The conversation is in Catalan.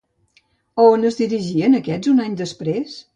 A on es dirigiren aquests un any després?